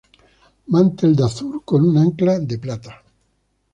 Mantel de azur, con un ancla de plata.